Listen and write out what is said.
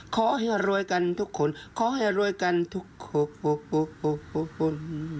ขอให้รวยกันทุกคนขอให้รวยกันทุกคน